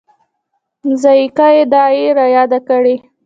ذایقه یې دای رایاد کړي.